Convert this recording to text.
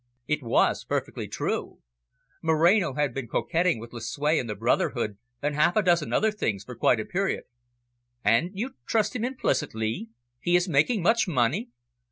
It was perfectly true. Moreno had been coquetting with Lucue and the brotherhood, and half a dozen other things, for quite a period. "And you trust him implicitly? He is making much money?"